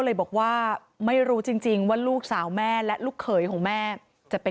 เลยบอกว่าไม่รู้จริงว่าลูกสาวแม่และลูกเขยของแม่จะเป็น